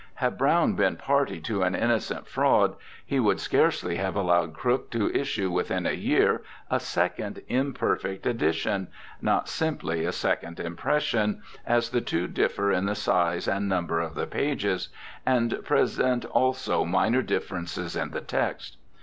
Had Browne been party to an innocent fraud, he would scarcely have allowed Crooke to issue within a year a second imperfect edition— not simply a second impression, as the two differ in the size and number of the pages, and present also minor differences in the text.